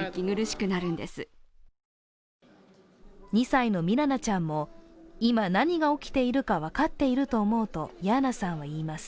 ２歳のミラナちゃんも、今何が起きているか分かっていると思うとヤーナさんは言います。